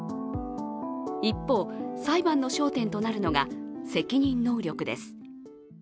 一方、裁判の焦点となるのが責任能力です。